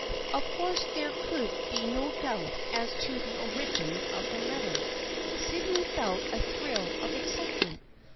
" Of course there could be no doubt as to the origin of this letter. Sydney felt a thrill of ex citement.